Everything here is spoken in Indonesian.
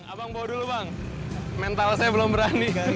abang bawa dulu bang mental saya belum berani kan